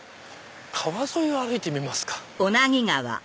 川沿いを歩いてみますか。